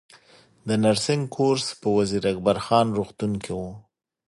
د نرسنګ کورس په وزیر اکبر خان روغتون کې و